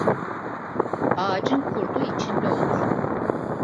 Ağacın kurdu içinde olur